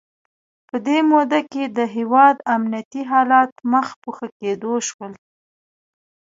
په دې موده کې د هیواد امنیتي حالات مخ په ښه کېدو شول.